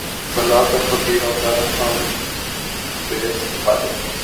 بنا کر فقیروں کا ہم بھیس، غالبؔ!